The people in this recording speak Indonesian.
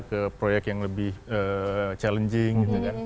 ke project yang lebih challenging